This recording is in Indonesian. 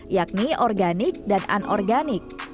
yakni organik dan anorganik